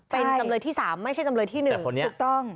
เป็นจำเลยที่สามไม่ใช่จำเลยที่หนึ่งแต่คนนี้ถูกต้อง